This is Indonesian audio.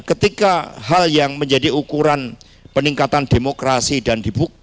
ketika hal yang menjadi ukuran peningkatan demokrasi dan dibuka